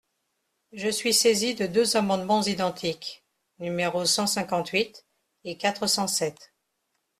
Je suis saisi de deux amendements identiques, numéros cent cinquante-huit et quatre cent sept.